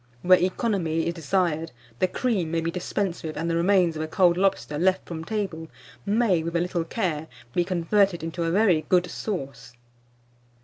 Where economy is desired, the cream may be dispensed with, and the remains of a cold lobster left from table, may, with a little care, be converted into a very good sauce.